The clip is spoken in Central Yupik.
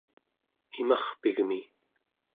imarpigmi